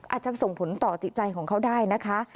อาจจะส่งผลต่อจิตใจของเขาได้นะคะ